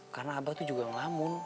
karena abah tuh juga ngelamun